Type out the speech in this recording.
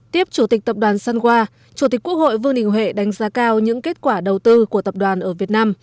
tiếp chủ tịch tập đoàn sunwa chủ tịch quốc hội vương đình huệ đánh giá cao những kết quả đầu tư của tập đoàn ở việt nam